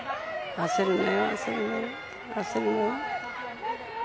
焦るな。